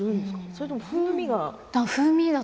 それとも風味が。